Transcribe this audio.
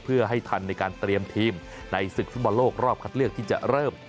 เพื่อให้ทันในการเตรียมทีมในศึกฟุตบอลโลกรอบคัดเลือกที่จะเริ่ม